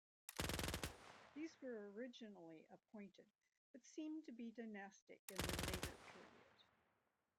These were originally appointed but seem to be dynastic in the later period.